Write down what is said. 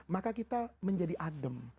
maka kita menjadi adem